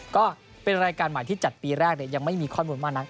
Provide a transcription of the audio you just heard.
ก็เป็นรายการใหม่ที่จัดปีแรกยังไม่มีข้อมูลมากนัก